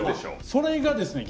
それがですねああ